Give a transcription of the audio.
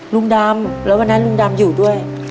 ลุงดำแล้ววันนั้นลุงดำอยู่ด้วย